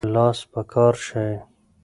لاس په کار شئ.